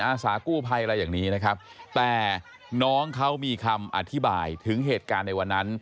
อาสากู้ภัยอะไรอย่างนี้นะครับแต่น้องเขามีคำอธิบายถึงเหตุการณ์ในวันนั้น